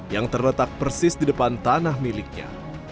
yang terletak persis di depan tanah miliknya